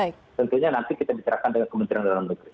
tentunya nanti kita bicarakan dengan kementerian dalam negeri